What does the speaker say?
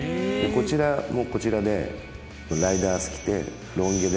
こちらもこちらで。